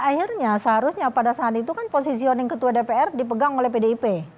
akhirnya seharusnya pada saat itu kan posisioning ketua dpr dipegang oleh pdip